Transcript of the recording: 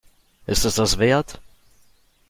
Ist es das wert?